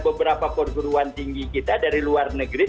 beberapa perguruan tinggi kita dari luar negeri